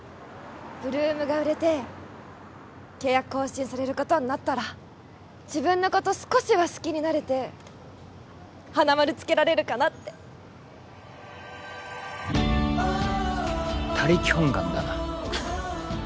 ８ＬＯＯＭが売れて契約更新されることになったら自分のこと少しは好きになれて花丸つけられるかなって他力本願だな